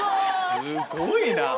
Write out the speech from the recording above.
すごいな！